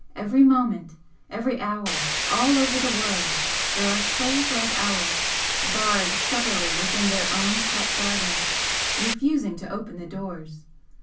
Every moment, every hour, all over the world, there are souls like ours, barred severally within their own shut gardens, refusing to open the doors!